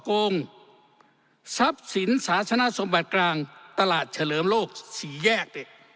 ข้อกงทรัพย์สินศาสนสมบัติกลางตลาดเฉลิมโลกสี่แยก